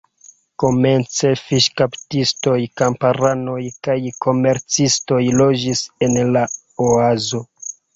Komence fiŝkaptistoj, kamparanoj kaj komercistoj loĝis en la oazo.